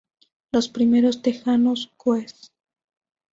Los primeros tejanos Guess?